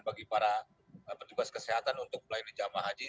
bagi para petugas kesehatan untuk melayani jamaah haji